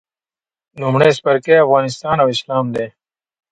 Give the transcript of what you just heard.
لومړی څپرکی افغانستان او اسلام دی.